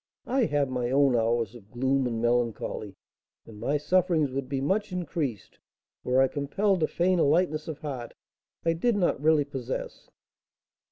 I have my own hours of gloom and melancholy, and my sufferings would be much increased were I compelled to feign a lightness of heart I did not really possess."